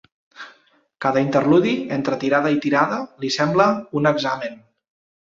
Cada interludi entre tirada i tirada li sembla un examen.